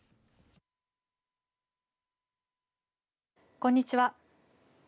こんにちは。